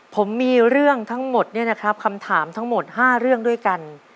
ผมมีเรื่องทั้งหมดเนี่ยนะครับคำถามทั้งหมด๕เรื่องด้วยกัน